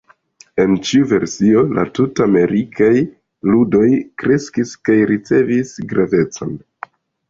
En ĉiu versio, la Tut-Amerikaj Ludoj kreskis kaj ricevis gravecon.